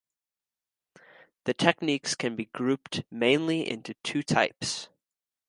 The techniques can be grouped mainly into two types.